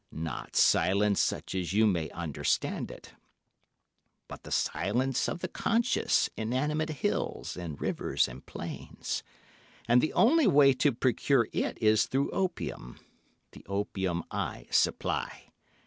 Not silence such as you may understand it, but the silence of the conscious, inanimate hills, and rivers, and plains—and the only way to procure it is through opium—the opium I supply.